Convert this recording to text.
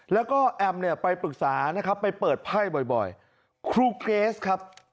แล้วก็แอมไปปรึกษาไปเปิดไพร์บ่อยครูเกรซครับ